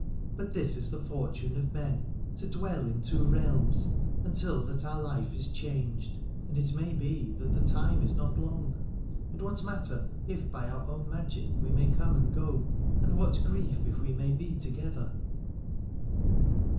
But this is the fortune of men, to dwell in two realms, until that our life is changed : and it may be that the time is not long. And what matter, if by our own magic we may come and go ? and what grief, if we may be together